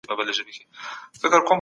ګټوره څېړنه په ټولنه کي بدلون راولي.